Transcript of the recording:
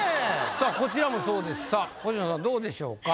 さぁこちらもそうですさぁ星野さんどうでしょうか？